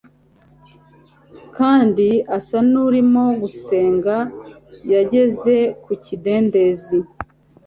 kandi asa n’urimo gusenga, yageze ku kidendezi.